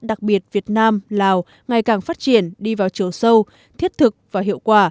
đặc biệt việt nam lào ngày càng phát triển đi vào chiều sâu thiết thực và hiệu quả